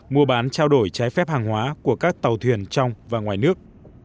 mua bán trao đổi trái phép hàng hóa của các tàu thuyền trong và ngoài nước